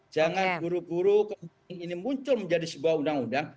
jangan buru buru ini muncul menjadi sebuah undang undang